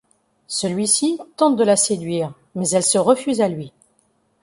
Celui-ci tente de la séduire mais elle se refuse à lui.